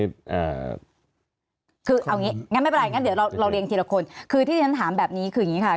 แต่คืออังกฤษเนี่ยไม่เป็นไรเราเลี้ยงทีละคนคือที่จะถามถามแบบนี้คือคืออย่างงี้ค่ะ